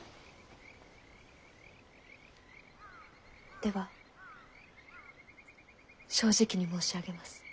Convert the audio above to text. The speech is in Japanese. では正直に申し上げます。